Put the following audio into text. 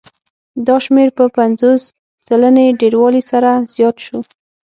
دا شمېر په پنځوس سلنې ډېروالي سره زیات شو